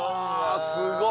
すごい！